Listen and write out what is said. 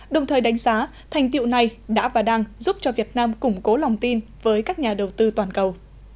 đồng thời đánh giá thành tiệu này đã và đang giúp cho việt nam củng cố lòng tin với các nhà đầu tư toàn cầu